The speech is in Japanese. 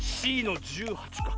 Ｃの１８か。